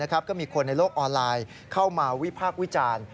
ก็มีคนในโลกออนไลน์เข้ามาวิพากษ์วิจารณ์